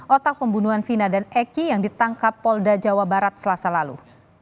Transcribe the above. otak pembunuhan vina dan eki yang ditangkap polda jawa barat selasa lalu